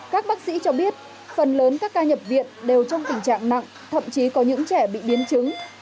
các bác sĩ cho biết phần lớn các ca nhập viện đều trong tình trạng nặng thậm chí có những trẻ bị biến chứng